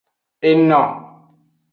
Eno.